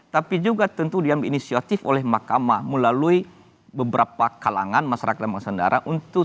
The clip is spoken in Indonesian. tapi juga tentu diam inisiatif oleh makamah melalui beberapa kalangan masyarakat dan masyarakat untuk